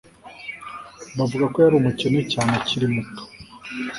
Bavuga ko yari umukene cyane akiri muto